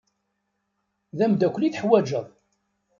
D amdakel i teḥwaǧeḍ.